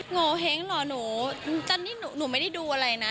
โงเห้งเหรอหนูจันนี่หนูไม่ได้ดูอะไรนะ